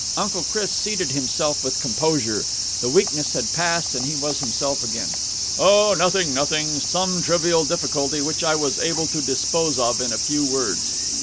Uncle Chris seated himself with composure. The weakness had passed, and he was himself again. "Oh, nothing, nothing. Some trivial difficulty, which I was able to dispose of in a few words."